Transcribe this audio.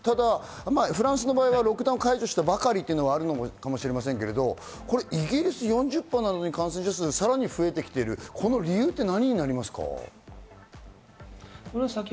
フランスの場合はロックダウン解除したばかりというのもあるかもしれませんがイギリス４０％なのに、さらに増えてきているこの理由って何になりますか？